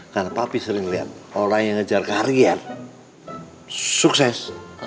karena papi sering lihat orang yang ngejar karya sukses